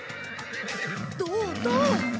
どうどう。